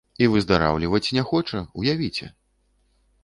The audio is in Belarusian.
І выздараўліваць не хоча, уявіце!